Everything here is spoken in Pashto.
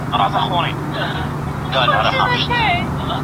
هنر هیڅ سرحد نه پیژانده.